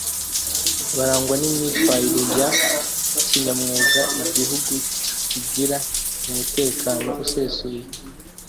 barangwa n’imyitwarire ya kinyamwuga igihugu kigira umutekano usesuye